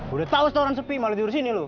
udah tau setoran sepi malah tidur disini lu